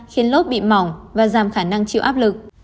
khiến lớp bị mỏng và giảm khả năng chịu áp lực